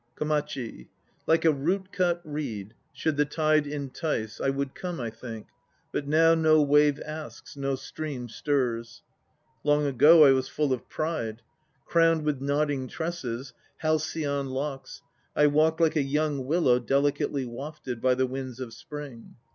KOMACHI. Like a root cut reed, 1 Should the tide entice, I would come, I think; but now No wave asks; no stream stirs. Long ago I was full of pride; Crowned with nodding tresses, halcyon locks, I walked like a young willow delicately wafted By the winds of Spring.